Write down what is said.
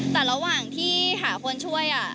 แต่ระหว่างที่หาคนช่วย